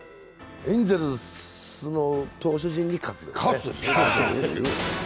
エンゼルスの投手陣に喝ですね。